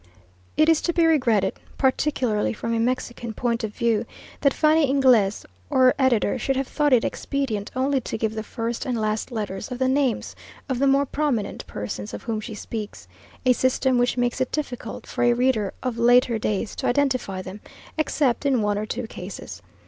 It is to be regretted (particularly from a Mexican point of view) that Fanny Inglis, or her editor, should have thought it expedient only to give the first and last letters of the names of the more prominent persons of whom she speaks, a system which makes it difficult for a reader of later days to identify them, except in one or two cases.